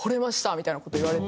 みたいな事を言われて。